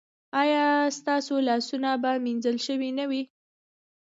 ایا ستاسو لاسونه به مینځل شوي نه وي؟